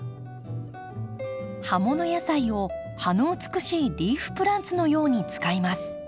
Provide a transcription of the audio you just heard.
葉もの野菜を葉の美しいリーフプランツのように使います。